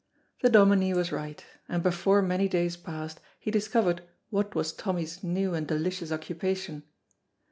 The Dominie was right, and before many days passed he discovered what was Tommy's new and delicious occupation.